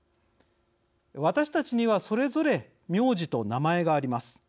私たちにはそれぞれ名字と名前があります。